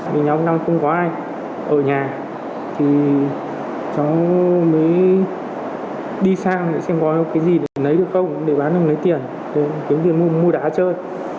vì nhóm năm không có ai ở nhà thì cháu mới đi sang để xem có cái gì để lấy được không để bán được lấy tiền kiếm tiền mua đá chơi